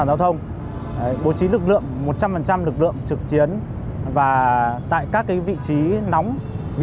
giao thông bố trí lực lượng một trăm linh phần trăm lực lượng trực chiến và tại các cái vị trí nóng ví